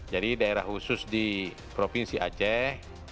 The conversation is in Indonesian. jadi daerah khusus di provinsi aceh